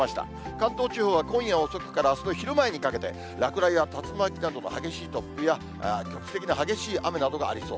関東地方は今夜遅くからあすの昼前にかけて、落雷や竜巻などの激しい突風や、局地的な激しい雨などがありそう。